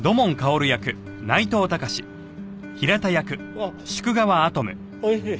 うわっおいしい！